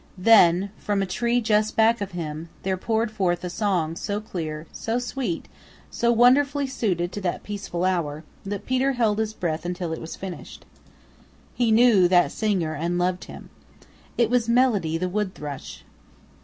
Then, from a tree just back of him, there poured forth a song so clear, so sweet, so wonderfully suited to that peaceful hour, that Peter held his breath until it was finished. He knew that singer and loved him. It was Melody the Wood Thrush.